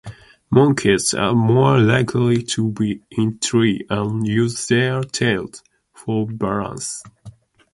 Monkeys are more likely to be in trees and use their tails for balance.